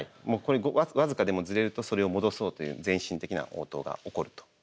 もうこれ僅かでもずれるとそれを戻そうという全身的な応答が起こると。